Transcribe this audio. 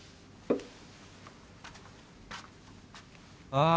ああ